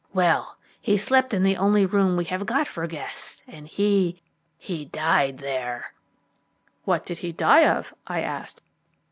Well, he slept in the only room we have got for guests, and he he died there." "What did he die of?" I asked.